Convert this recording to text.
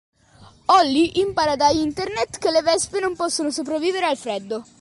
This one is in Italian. Ally impara da internet che le Vespe non possono sopravvivere al freddo.